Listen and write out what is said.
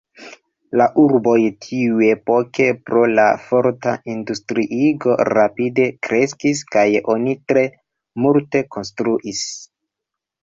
La urboj tiuepoke pro la forta industriigo rapide kreskis kaj oni tre multe konstruis.